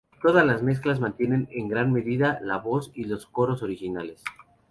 Todas las mezclas mantienen en gran medida la voz y los coros originales.